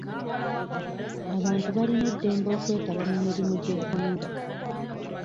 Abantu balina eddembe okwetaba mu mirimu gy'eggwanga.